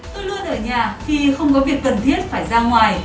tôi luôn ở nhà khi không có việc cần thiết phải ra ngoài